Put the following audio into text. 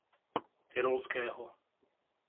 Tyrolského.